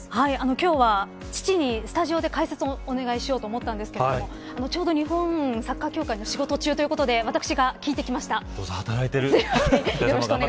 今日は父にスタジオで解説をお願いしようと思ったんですけどちょうど、日本サッカー協会の仕事中ということでお父さん働いている。